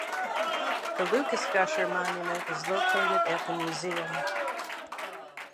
The Lucas Gusher Monument is located at the museum.